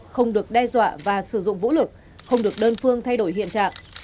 không được đe dọa và sử dụng vũ lực không được đơn phương thay đổi hiện trạng